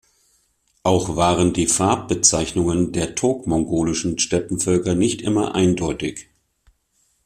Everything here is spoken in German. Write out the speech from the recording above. Auch waren die Farbbezeichnungen der turk-mongolischen Steppenvölker nicht immer eindeutig.